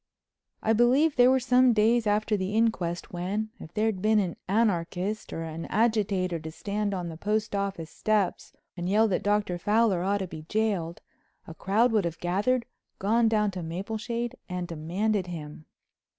I believe there were some days after the inquest when, if there'd been an anarchist or agitator to stand on the postoffice steps and yell that Dr. Fowler ought to be jailed, a crowd would have gathered, gone down to Mapleshade, and demanded him.